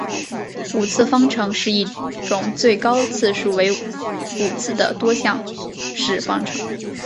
五次方程是一种最高次数为五次的多项式方程。